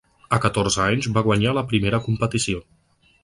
A catorze anys va guanyar la primera competició.